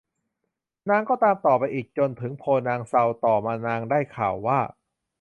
นางก็ตามต่อไปอีกจนถึงโพนางเซาต่อมานางได้ข่าวว่า